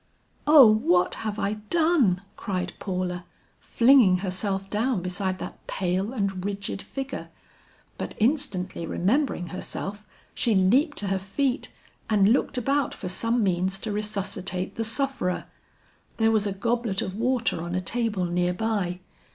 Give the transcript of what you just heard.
"O what have I done?" cried Paula, flinging herself down beside that pale and rigid figure; but instantly remembering herself she leaped to her feet and looked about for some means to resuscitate the sufferer. There was a goblet of water on a table near by.